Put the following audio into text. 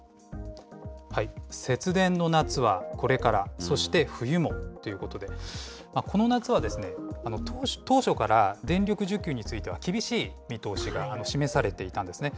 節電の夏はこれから、そして冬も、ということで、この夏は当初から電力需給については厳しい見通しが示されていたんですね。